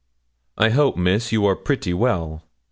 'I hope, Miss, you are pretty well?'